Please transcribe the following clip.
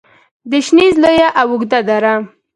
د شنیز لویه او اوږده دره